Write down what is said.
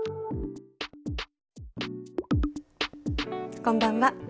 こんばんは。